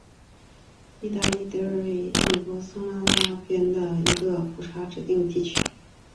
达德利维尔是位于美国亚利桑那州皮纳尔县的一个人口普查指定地区。